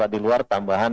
di luar tambahan